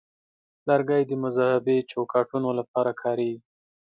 لرګی د مذهبي چوکاټونو لپاره کارېږي.